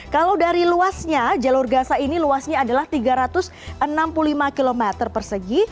kalau dari luasnya jalur gaza ini luasnya adalah tiga ratus enam puluh lima km persegi